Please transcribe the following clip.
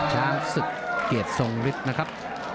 ช้างศึกเกียรติทรงฤทธิ์นะครับ